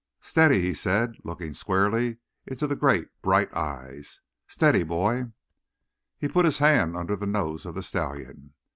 "Steady," he said, looking squarely into the great, bright eyes. "Steady, boy." He put his hand under the nose of the stallion.